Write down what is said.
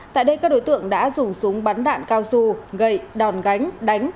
tại đây các đối tượng đã dùng súng bắn đạn cao su gậy đòn gánh đánh